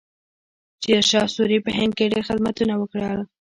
شیرشاه سوري په هند کې ډېر خدمتونه وکړل.